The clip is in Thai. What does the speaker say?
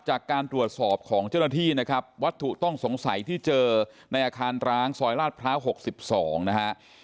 จากการตรวจสอบของเจ้าหน้าที่นะครับวัตถุต้องสงสัยที่เจอในอาคารร้างซอยลาดพร้าว๖๒นะฮะ